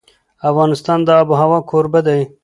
افغانستان د آب وهوا کوربه دی.